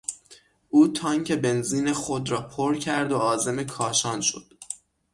او تانک بنزین خود را پر کرد و عازم کاشان شد.